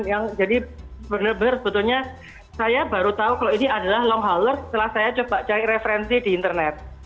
yang jadi benar benar sebetulnya saya baru tahu kalau ini adalah long holler setelah saya coba cari referensi di internet